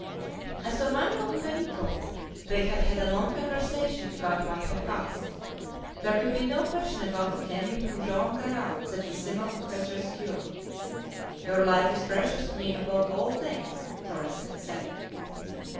As for Manoel and Benito, they had had a long conversation about what had passed. There could be no question about obtaining from Joam Garral the dismissal of his rescuer. "Your life is precious to me above all things!" Torres had said.